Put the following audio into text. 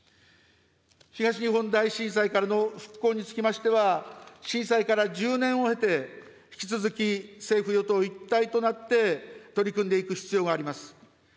東日本大震災からの復興につきましては、震災から１０年を経て、引き続き、政府・与党一体となって取り組んでいく必要があります。